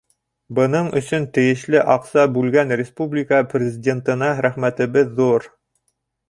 Бының өсөн тейешле аҡса бүлгән республика Президентына рәхмәтебеҙ ҙур.